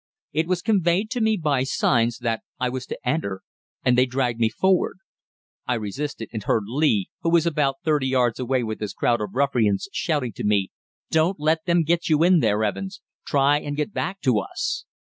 It was conveyed to me by signs that I was to enter, and they dragged me forward. I resisted, and heard Lee, who was about 30 yards away with his crowd of ruffians, shouting to me, "Don't let them get you in there, Evans; try and get back to us."